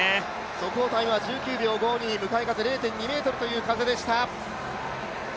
速報タイムは１９秒５２向かい風０．２メートルという風でした。